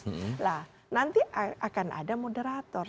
nah nanti akan ada moderator